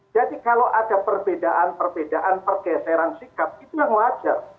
jadi kalau ada perbedaan perbedaan pergeseran sikap itu yang wajar